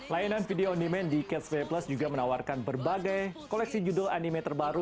layanan video on demand di catch play plus juga menawarkan berbagai koleksi judul anime terbaru